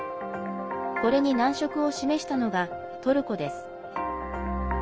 これに難色を示したのがトルコです。